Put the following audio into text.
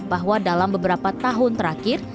bahwa dalam beberapa tahun terakhir